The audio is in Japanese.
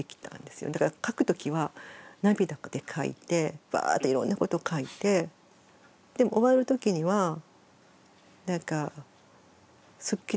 だから書くときは涙で書いてバーッといろんなこと書いてでも終わるときにはなんかすっきりしてたんですよね。